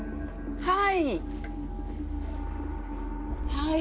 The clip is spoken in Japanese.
はい。